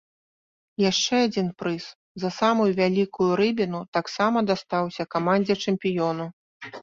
Яшчэ адзін прыз, за самую вялікую рыбіну, таксама дастаўся камандзе-чэмпіёну.